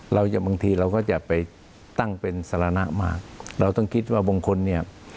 อย่างบางทีเราก็จะไปตั้งเป็นสารณะมากเราต้องคิดว่าบางคนเนี่ย